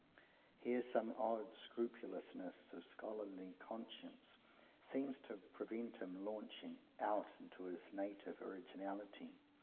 Here some odd scrupulousness of scholarly conscience seems to prevent him launching out into his native originality.